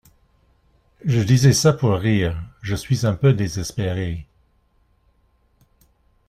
Je disais ça pour rire, je suis un peu désespéré.